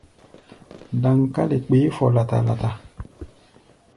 Daŋkále kpeé fɔ lata-lata.